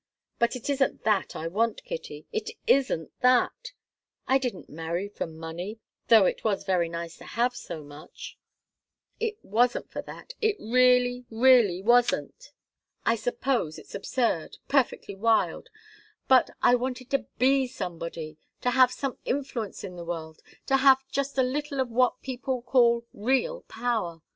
But it isn't that I want, Kitty it isn't that! I didn't marry for money, though it was very nice to have so much it wasn't for that, it really, really wasn't! I suppose it's absurd perfectly wild but I wanted to be somebody, to have some influence in the world, to have just a little of what people call real power.